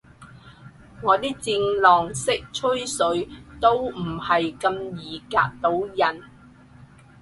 我啲戰狼式吹水都唔係咁易夾到人